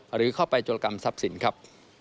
หรือเข้าไปโจรกรรมทรัพย์สินครับ